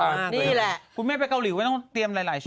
นี่แหละคุณแม่ไปเกาหลีไม่ต้องเตรียมหลายชุด